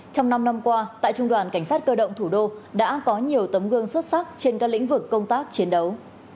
trong năm năm qua tại trung đoàn cảnh sát cơ động thủ đô đã có nhiều tấm gương xuất sắc trên các lĩnh vực công tác chiến đấu